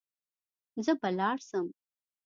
زه به لاړ سم.